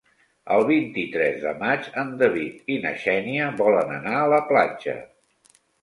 El vint-i-tres de maig en David i na Xènia volen anar a la platja.